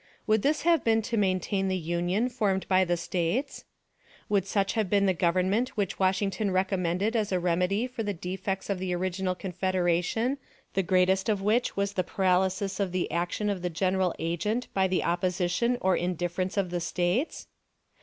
Would this have been to maintain the Union formed by the States? Would such have been the Government which Washington recommended as a remedy for the defects of the original Confederation, the greatest of which was the paralysis of the action of the general agent by the opposition or indifference of the States?